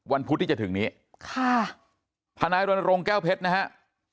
พุธที่จะถึงนี้ค่ะทนายรณรงค์แก้วเพชรนะฮะ